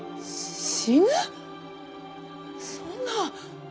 そんな。